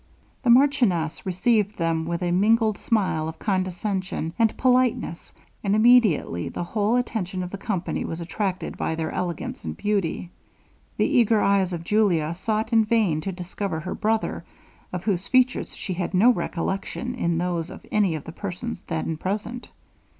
The marchioness received them with a mingled smile of condescension and politeness, and immediately the whole attention of the company was attracted by their elegance and beauty. The eager eyes of Julia sought in vain to discover her brother, of whose features she had no recollection in those of any of the persons then present.